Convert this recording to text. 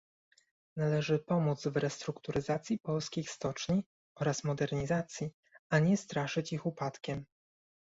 Należy pomóc w restrukturyzacji polskich stoczni oraz modernizacji, a nie straszyć ich upadkiem